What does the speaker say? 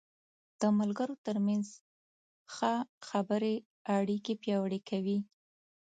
د ملګرو تر منځ ښه خبرې اړیکې پیاوړې کوي.